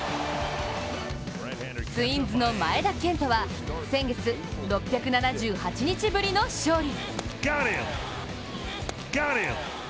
ツインズの前田健太は先月、６７８日ぶりの勝利。